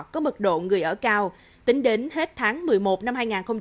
có mực độ người ở cao tính đến hết tháng một mươi một năm hai nghìn hai mươi một